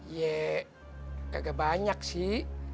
ye gak banyak sih